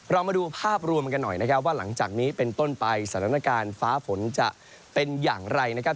เรามาดูภาพรวมกันหน่อยนะครับว่าหลังจากนี้เป็นต้นไปสถานการณ์ฟ้าฝนจะเป็นอย่างไรนะครับ